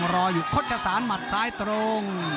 รออยู่โคตรศาสตร์หมัดซ้ายตรง